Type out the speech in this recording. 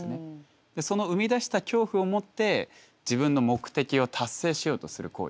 その生み出した恐怖をもって自分の目的を達成しようとする行為。